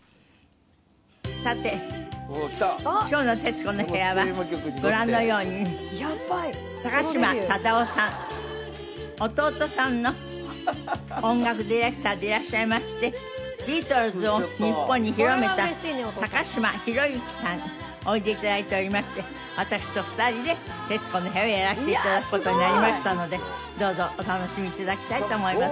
さて今日の『徹子の部屋』はご覧のように高島忠夫さん弟さんの音楽ディレクターでいらっしゃいましてビートルズを日本に広めた嶋弘之さんおいで頂いておりまして私と２人で『徹子の部屋』をやらせて頂く事になりましたのでどうぞお楽しみ頂きたいと思います。